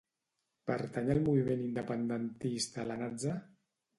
Pertany al moviment independentista la Natza?